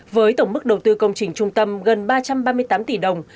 với tổng mức đầu tư công trình trung tâm gần ba trăm ba mươi tám tỷ đồng